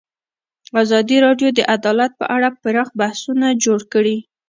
ازادي راډیو د عدالت په اړه پراخ بحثونه جوړ کړي.